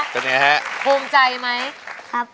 เป็นอย่างไรฮะ